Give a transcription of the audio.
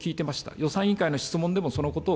予算委員会の質問でもそのことを